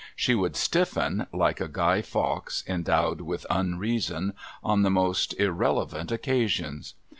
She would stiffen, like a Guy Fawkes endowed with unreason, on the most irrelevant occasions.